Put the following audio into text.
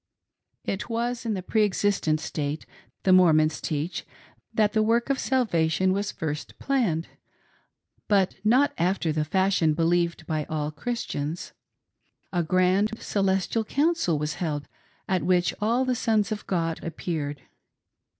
It was in the preexistent state, the Mormons teach, that the work of salvation was first planned — but not after the fashion believed by all Christians. A grand celestial council was held, at which all the Sons of God appeared.